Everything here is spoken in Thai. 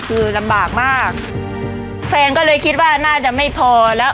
คือลำบากมากแฟนก็เลยคิดว่าน่าจะไม่พอแล้ว